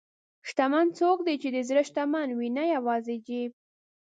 شتمن څوک دی چې د زړه شتمن وي، نه یوازې جیب.